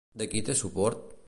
De qui té suport?